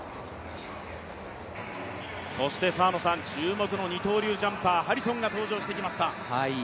澤野さん、注目の二刀流ジャンパーハリソンが登場してきました。